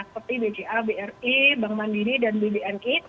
seperti bca bri bank mandiri dan bbni